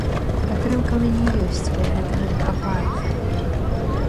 Падтрымка ў мяне ёсць, але гэтага не хапае.